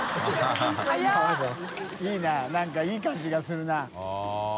いい何かいい感じがするな。